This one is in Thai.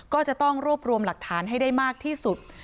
ก็จะต้องรวบรวมหลักฐานให้ได้มากที่สุด